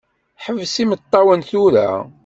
Ḥbes imeṭṭawen tura.